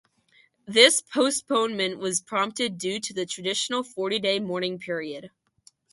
This postponement was prompted due to the traditional forty-day mourning period.